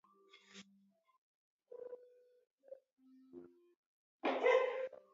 მდებარეობს მდინარე აღმოსავლეთის ფრონისა და შუა ფრონის წყალგამყოფზე.